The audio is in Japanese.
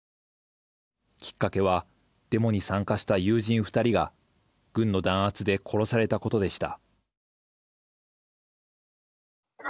きっかけは、デモに参加した友人２人が軍の弾圧で殺されたことでした。